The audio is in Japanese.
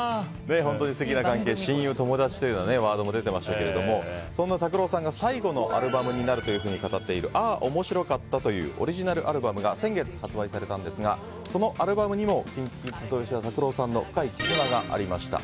本当に素敵な関係で親友、友達というワードも出ていましたが拓郎さんが最後のアルバムになると語っている「ａｈ‐面白かった」というオリジナルアルバムが先月発売されたんですがそのアルバムにもＫｉｎＫｉＫｉｄｓと吉田拓郎さんの深い絆がありました。